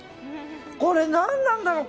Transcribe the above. これ、何なんだろう。